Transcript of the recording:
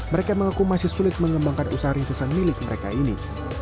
mereka mengaku masih sulit mengembangkan usaha rintisan milik mereka ini